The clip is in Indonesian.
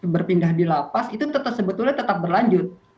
berpindah di lapas itu sebetulnya tetap berlanjut